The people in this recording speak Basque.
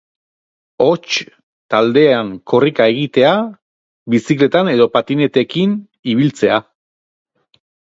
Hots, taldean korrika egitea, bizikletan edo patinekin ibiltzea.